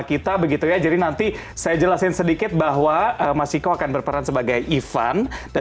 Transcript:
kita begitu ya jadi nanti saya jelasin sedikit bahwa masiko akan berperan sebagai ivan dan